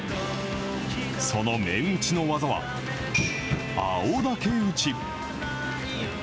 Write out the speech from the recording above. その麺打ちの技は、青竹打ち。